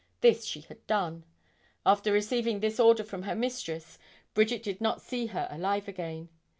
This she had done. After receiving this order from her mistress, Bridget did not see her alive again.